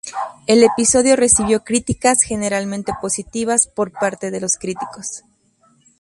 El episodio recibió críticas generalmente positivas por parte de los críticos.